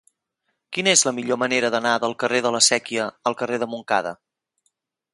Quina és la millor manera d'anar del carrer de la Sèquia al carrer de Montcada?